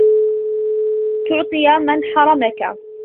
وَتُعْطِيَ مَنْ حَرَمَكَ